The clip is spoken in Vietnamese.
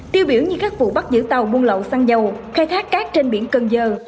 tiêu biểu như các vụ bắt giữ tàu buôn lậu xăng dầu khai thác cát trên biển cần giờ